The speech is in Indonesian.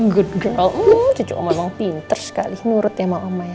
good girl cucu mama emang pinter sekali nurut sama mama ya